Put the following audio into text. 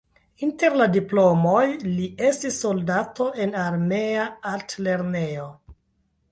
Inter la diplomoj li estis soldato en armea altlernejo.